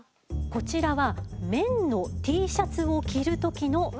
こちらは綿のＴシャツを着る時の映像です。